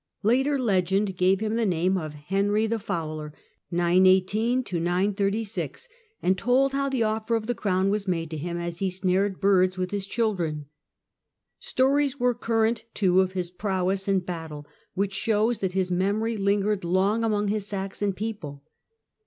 Later legend gave him the name of " Henry the Fowler," and told how the offer of Henry I. the crown was made to him as he snared birds with his gig 935 ^'^' children. Stories were current, too, of his prowess in battle, which show that his memory lingered long among his Saxon people.